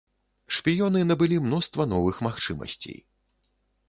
Шпіёны набылі мноства новых магчымасцей.